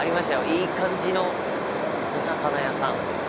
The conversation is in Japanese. いい感じのお魚屋さん。